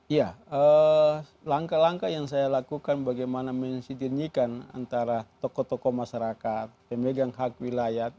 ya langkah langkah yang saya lakukan bagaimana mensidirnyikan antara tokoh tokoh masyarakat pemegang hak wilayah